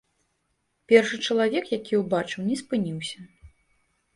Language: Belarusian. Першы чалавек, які ўбачыў, не спыніўся.